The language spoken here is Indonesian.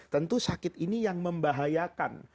tentu sakit ini yang membahayakan